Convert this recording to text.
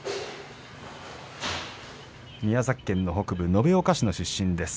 宮崎県の北部延岡市の出身です。